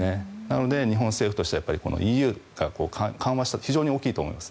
なので、日本政府としてはＥＵが緩和したのは非常に大きいと思います。